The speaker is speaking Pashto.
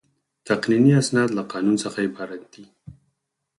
تقنیني اسناد له قانون څخه عبارت دي.